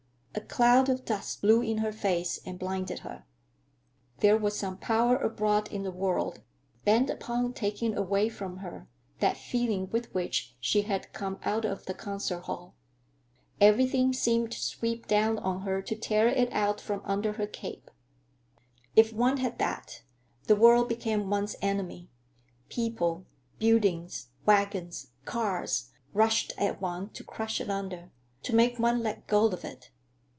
A cloud of dust blew in her face and blinded her. There was some power abroad in the world bent upon taking away from her that feeling with which she had come out of the concert hall. Everything seemed to sweep down on her to tear it out from under her cape. If one had that, the world became one's enemy; people, buildings, wagons, cars, rushed at one to crush it under, to make one let go of it.